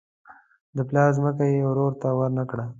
د پلار ځمکه یې ورور ته ورنه کړه.